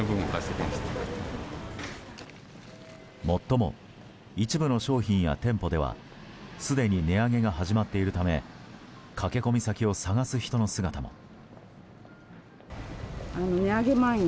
もっとも一部の商品や店舗ではすでに値上げが始まっているため駆け込み先を探す人の姿も。